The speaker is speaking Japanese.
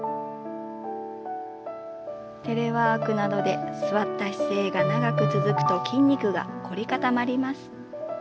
テレワークなどで座った姿勢が長く続くと筋肉が凝り固まります。